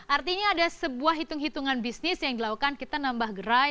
artinya ada sebuah hitung hitungan bisnis yang dilakukan kita nambah gerai